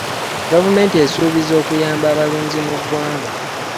Gavumenti esuubiza okuyamba abalunzi mu ggwanga.